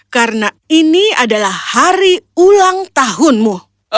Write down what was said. karena ini adalah hari ulang tahunmu